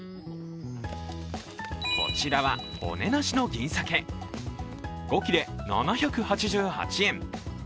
こちらは骨なしの銀さけ、５切れ７８８円。